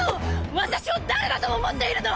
私を誰だと思っているの！